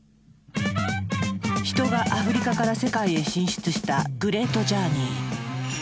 ヒトがアフリカから世界へ進出したグレートジャーニー。